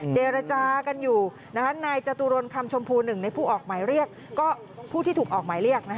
เจรจากันอยู่นะคะนายจตุรณคำชมพู๑ในผู้ถูกออกหมายเรียก